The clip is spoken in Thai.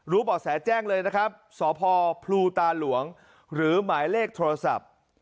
บ่อแสแจ้งเลยนะครับสพพลูตาหลวงหรือหมายเลขโทรศัพท์